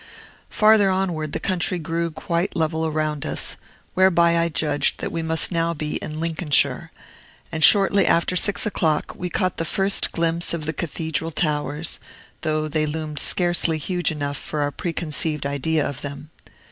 Farther onward the country grew quite level around us, whereby I judged that we must now be in Lincolnshire; and shortly after six o'clock we caught the first glimpse of the Cathedral towers, though they loomed scarcely huge enough for our preconceived idea of them.